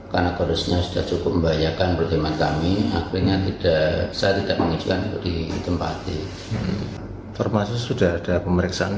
termasuk sudah ada pemeriksaan dari kejaksaan